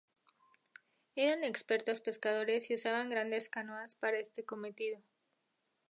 Eran expertos pescadores y usaban grandes canoas para este cometido.